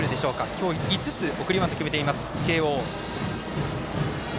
今日５つ送りバント決めています慶応。